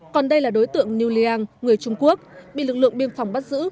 còn đây là đối tượng niu liang người trung quốc bị lực lượng biên phòng bắt giữ